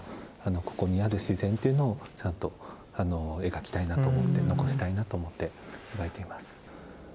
ここにある自然というのをちゃんと描きたいなと思って残したいなと思って描いています。